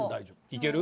いける？